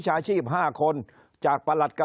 คนในวงการสื่อ๓๐องค์กร